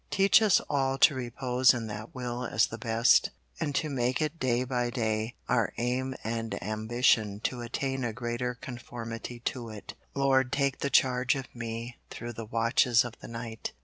Teach us all to repose in that will as the best; and to make it day by day our aim and ambition to attain a greater conformity to it. Lord, take the charge of me through the watches of the night.